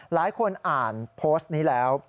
หลายคนอ่านโพสต์นี้แล้ว